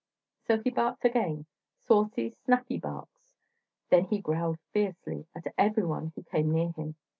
So he barked again, saucy, snappy barks, then he growled fiercely at everyone who came near him.